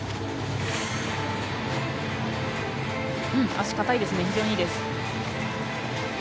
脚高いですね、非常にいいです。